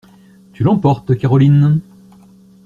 Tu l'emportes, Caroline!